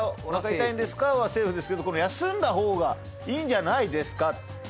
「おなか痛いんですか？」はセーフですけど「休んだ方がいいんじゃないですか？」